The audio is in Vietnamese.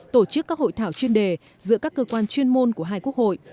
tổ chức các hội thảo chuyên đề giữa các cơ quan chuyên môn của hai quốc hội